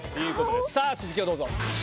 さぁ続きをどうぞ。